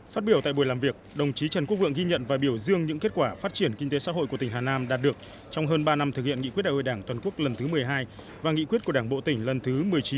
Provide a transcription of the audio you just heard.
phát biểu tại buổi làm việc đồng chí trần quốc vượng ghi nhận và biểu dương những kết quả phát triển kinh tế xã hội của tỉnh hà nam đạt được trong hơn ba năm thực hiện nghị quyết đại hội đảng toàn quốc lần thứ một mươi hai và nghị quyết của đảng bộ tỉnh lần thứ một mươi chín